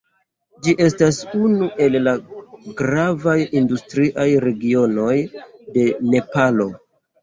Ĝi estas unu el la gravaj industriaj regionoj de Nepalo.